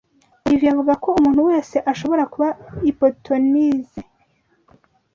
Olivier avuga ko umuntu wese ashobora kuba hypnotizone.